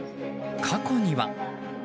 過去には。